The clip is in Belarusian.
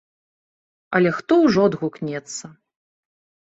Але хто ўжо адгукнецца.